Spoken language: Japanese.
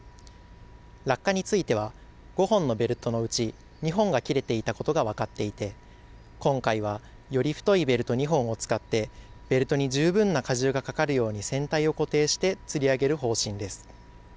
落下については、５本のベルトのうち２本が切れていたことが分かっていて、今回はより太いベルト２本を使って、ベルトに十分な荷重がかかるように船体を固定してつり上げる方針です。